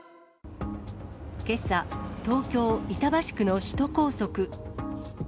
けさ、東京・板橋区の首都高速。